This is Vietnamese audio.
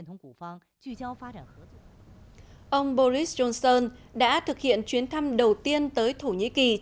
ông boris johnson đã thực hiện chuyến thăm đầu tiên tới thổ nhĩ kỳ